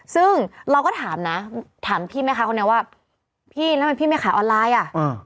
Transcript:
ซึ่งเราก็ถามนะถามพี่แม่ค้าคนนี้ว่าพี่แล้วทำไมพี่ไม่ขายออนไลน์อ่ะ